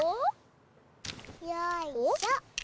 よいしょ！